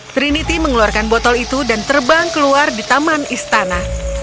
trinity mengeluarkan botol itu dan terbang keluar di taman istana